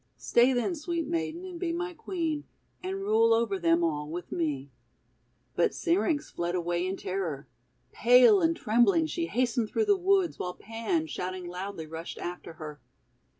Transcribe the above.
Stay, then, sweet Maiden, and be my Queen, and rule over them all with me.' But Syrinx fled away in terror. Pale and trembling she hastened through the woods, while Pan, shouting loudly, rushed after her.